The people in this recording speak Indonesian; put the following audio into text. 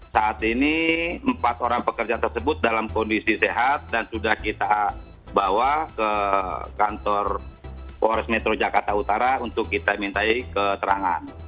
saat ini empat orang pekerja tersebut dalam kondisi sehat dan sudah kita bawa ke kantor pores metro jakarta utara untuk kita mintai keterangan